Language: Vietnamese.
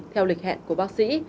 theo lịch hẹn của bác sĩ